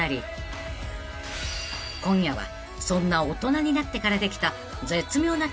［今夜はそんな大人になってからできた］